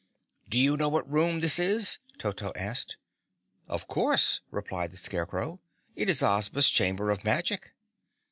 "Do you know what room this is?" Toto asked. "Of course," replied the Scarecrow, "it's Ozma's Chamber of Magic."